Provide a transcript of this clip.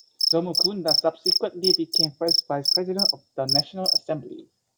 Nzomukunda subsequently became First Vice-President of the National Assembly.